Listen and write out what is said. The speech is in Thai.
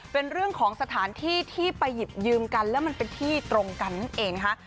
เป็นเรื่องของสถานที่ที่ไปหยิบยืมกันแล้วมันเป็นที่ตรงกันนั่นเองนะคะ